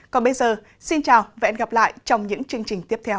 còn bây giờ xin chào và hẹn gặp lại trong những chương trình tiếp theo